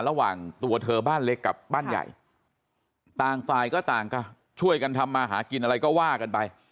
ระหว่างตัวเธอบ้านเล็กกับบ้านใหญ่ต่างฝ่ายก็ต่างก็ช่วยกันทำมาหากินอะไรก็ว่ากันไป